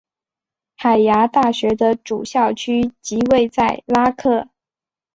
海牙大学的主校区即位在拉克。